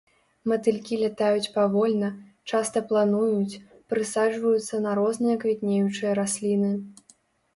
Матылькі лятаюць павольна, часта плануюць, прысаджваюцца на розныя квітнеючыя расліны.